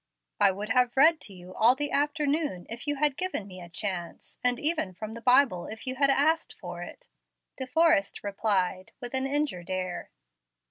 "I would have read to you all the afternoon, if you had given me a chance, and even from the Bible if you had asked for it," De Forrest replied, with an injured air.